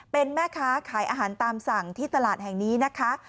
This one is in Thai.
เป็นแม่ค้าขายอาหารตามสั่งที่ตลาดแห่งนี้นะคะ